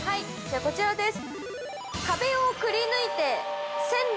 ◆こちらです！